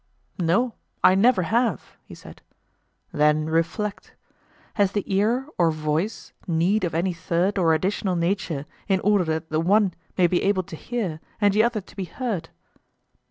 No, I never have, he said. Then reflect; has the ear or voice need of any third or additional nature in order that the one may be able to hear and the other to be heard?